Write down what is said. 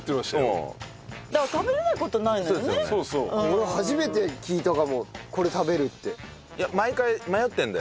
俺初めて聞いたかもこれ食べるって。